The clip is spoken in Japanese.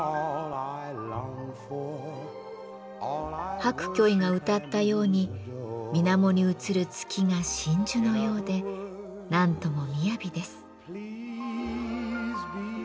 白居易が歌ったように水面に映る月が真珠のようでなんとも雅です。